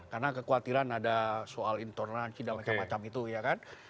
karena kekhawatiran ada soal intonasi dan macam macam itu ya kan